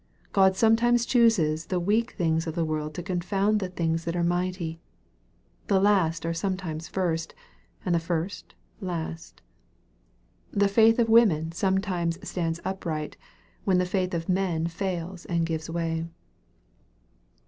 God sometimes chooses the weak things of the world to confound the things that are mighty. 'The last are sometimes first, and the first last. The faith of women sometimes stands upright, when the faith of men fails and gives way.